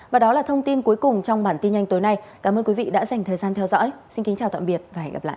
và đó là thông tin cuối cùng trong bản tin nhanh tối nay cảm ơn quý vị đã dành thời gian theo dõi xin kính chào tạm biệt và hẹn gặp lại